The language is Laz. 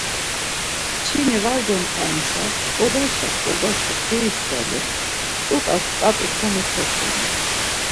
Kçini var gontanuşa t̆ǩobaşa t̆ǩobaşa keiselu, mt̆ut̆as ǩat̆u komeşoxunu.